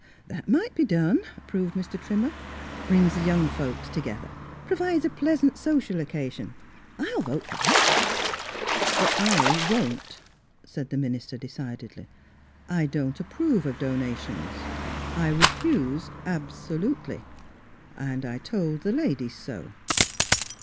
" That might be done," approved Mr. Trimmer. " Brings the young folks to gether ; provides a pleasant social occa sion. I'll vote for that." *' But I won't," said the minister de cidedly. " I don't approve of donations. I refuse absolutely. I told the ladies so."